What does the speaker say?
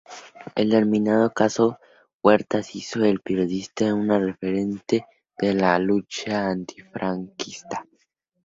El denominado caso Huertas hizo del periodista un referente de la lucha antifranquista.